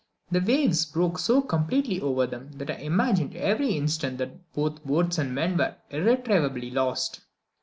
The waves broke so completely over them that I imagined every instant that both boats and men were irretrievably lost.